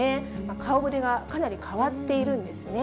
顔ぶれがかなり変わっているんですね。